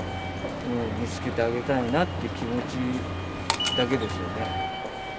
見つけてあげたいなっていう気持ちだけですよね。